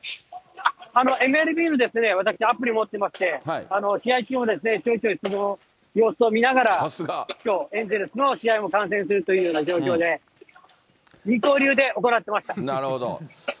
ＭＬＢのアプリを私、アプリ持ってまして、試合中も選手の様子を見ながら、きょう、エンゼルスの試合も観戦するというような状況で、二刀流で行ってなるほど。